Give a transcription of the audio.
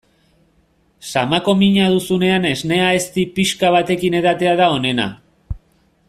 Samako mina duzunean esnea ezti pixka batekin edatea da onena.